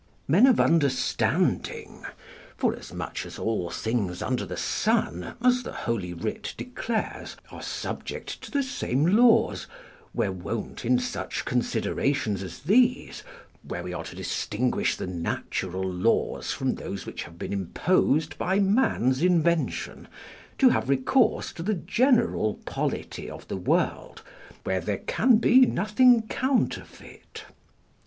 Men of understanding, forasmuch as all things under the sun, as the Holy Writ declares, are subject to the same laws, were wont in such considerations as these, where we are to distinguish the natural laws from those which have been imposed by man's invention, to have recourse to the general polity of the world, where there can be nothing counterfeit.